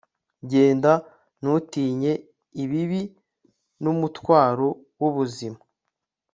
genda, ntutinye ibibi n'umutwaro w'ubuzima